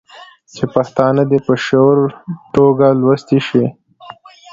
چې پښتانه دې په شعوري ټوګه لوستي شي.